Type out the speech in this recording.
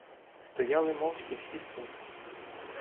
Стояли мовчки всі смутні.